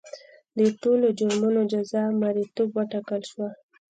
د ټولو جرمونو جزا مریتوب وټاکل شوه.